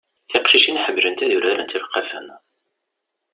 Tiqcicin ḥemmlent ad urarent ilqafen.